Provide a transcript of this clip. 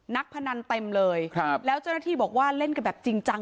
พนันเต็มเลยครับแล้วเจ้าหน้าที่บอกว่าเล่นกันแบบจริงจัง